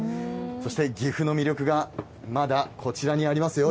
そして岐阜の魅力がまだこちらにありますよ。